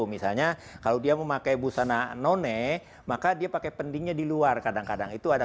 misalnya kalau dia memakai busana none maka dia pakai pendingnya di luar kadang kadang itu ada